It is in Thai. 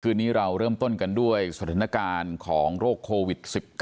นี้เราเริ่มต้นกันด้วยสถานการณ์ของโรคโควิด๑๙